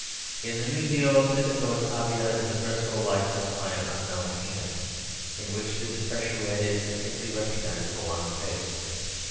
"In the Museo Civico at Pavia, is a fresco likeness by an unknown hand, in which this fresh red is distinctly recognisable on the face.